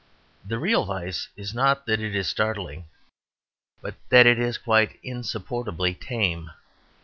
The real vice is not that it is startling, but that it is quite insupportably tame.